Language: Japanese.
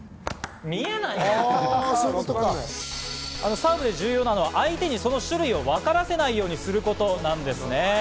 サーブで重要なのは相手にその種類を分からせないようにすることなんですね。